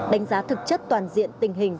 đánh giá thực chất toàn diện tình hình